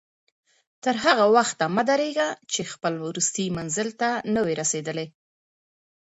تر هغه وخته مه درېږه چې خپل وروستي منزل ته نه یې رسېدلی.